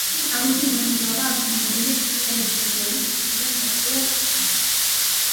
აგრეთვე მონაწილეობა აქვს მიღებული ტელესერიალის, „ციხიდან გაქცევა“ შექმნაში.